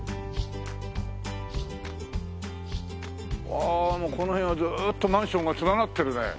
ああもうこの辺はずーっとマンションが連なってるね。